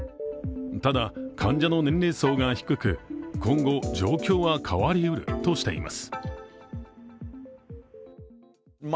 ただ、患者の年齢層が低く今後、状況は変わりうるとしています。